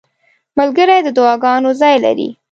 ملګری د دعاګانو ځای لري.